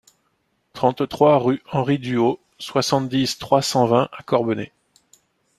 trente-trois rue Henri Duhaut, soixante-dix, trois cent vingt à Corbenay